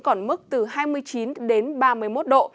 còn mức từ hai mươi chín đến ba mươi một độ